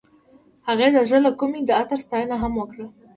هغې د زړه له کومې د عطر ستاینه هم وکړه.